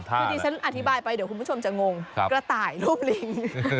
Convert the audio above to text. คือที่ฉันอธิบายไปเดี๋ยวคุณผู้ชมจะงงกระต่ายรูปลิง